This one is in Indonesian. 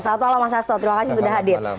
salam mas asto terima kasih sudah hadir